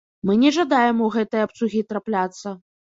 Мы не жадаем у гэтыя абцугі трапляцца.